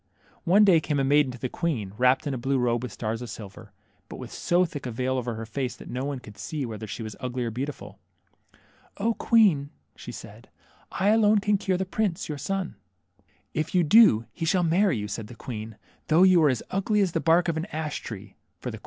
One day came a maiden to the queen, wrapt in a blue robe with stars of silver, but with so thick a veil over her face that no one could see whether she was ugly or beautiful. '^0 queen," she said, ''1 alone can cure the prince, your son." If you do, he shall marry you," said the queen. 22 THE MERMAID. though you are as ugly as the bark of an ash tree/' for the qu€?